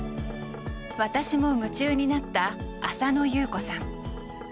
私も夢中になった浅野ゆう子さん。